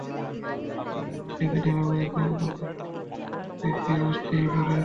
যদি ঘরোয়া ক্রিকেটে ধারাবাহিক রান করতে পারি, সুযোগ একদিন আসতেও পারে।